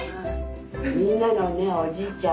みんなのねおじいちゃん